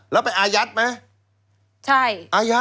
แล้วไปอายัดไหม